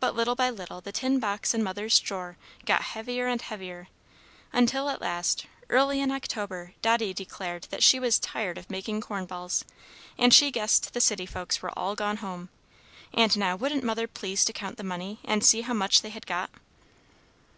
But little by little the tin box in Mother's drawer got heavier and heavier, until at last, early in October, Dotty declared that she was tired of making corn balls, and she guessed the city folks were all gone home; and now wouldn't Mother please to count the money, and see how much they had got?